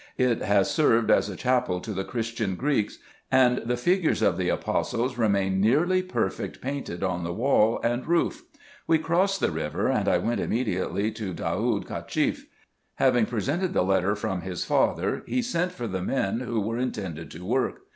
It has served as a chapel to the Christian Greeks ; and the figures of the Apostles remain nearly perfect painted on the wall and roof. We crossed the river, and I went immediately to Daoud Cacheff. Having presented the letter from his father, he sent for the men who wrere intended to work.